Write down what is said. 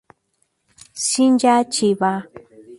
Shinya Chiba